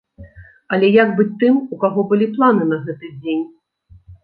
Але як быць тым, у каго былі планы на гэты дзень?